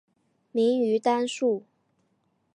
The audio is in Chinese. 明于丹术。